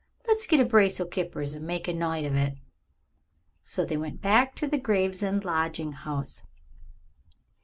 Let's get a brace o' kippers and make a night of it." So they went back to the Gravesend lodging house.